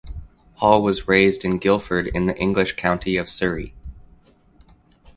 Holl was raised in Guildford in the English county of Surrey.